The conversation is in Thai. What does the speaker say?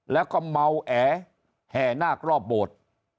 และก็เมาแอแห่นากรอบบวช